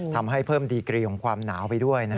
ทำให้เพิ่มดีกรีของความหนาวไปด้วย